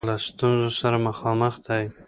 له ستونزه سره مخامخ دی.